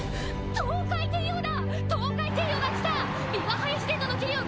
トウカイテイオーだ！」